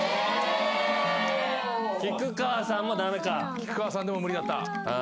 菊川さんでも無理だった。